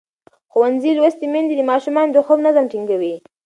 ښوونځې لوستې میندې د ماشومانو د خوب نظم ټینګوي.